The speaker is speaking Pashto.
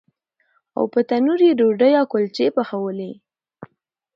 او په تنور یې ډوډۍ او کلچې پخولې.